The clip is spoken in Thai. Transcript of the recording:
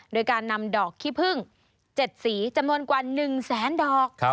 โดยการนำดอกขี้พึ่ง๗สีจำนวนกว่า๑แสนดอก